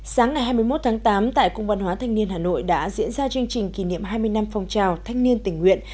sáng ngày hai mươi một tháng tám tại cung văn hóa thanh niên hà nội đã diễn ra chương trình kỷ niệm hai mươi năm phong trào thanh niên tình nguyện